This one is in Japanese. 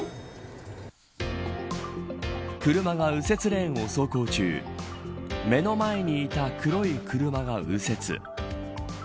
車が右折レーンを走行中目の前にいた黒い車が右折。